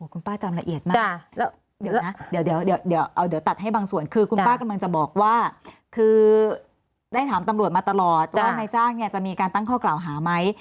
คุณป้าจำละเอียดมากแล้วเดี๋ยวนะเดี๋ยวตัดให้บางส่วนคือคุณป้ากำลังจะบอกว่าคือได้ถามตำรวจมาตลอดว่านายจ้างเนี่ยจะมีการตั้งข้อกล่าวหาไหม